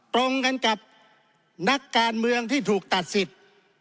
ตรงกันกับนักการเมืองที่ถูกตัดสิทธิ์